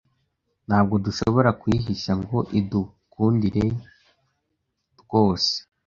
ntabwo dushobora kuyihisha ngo idukundire rwose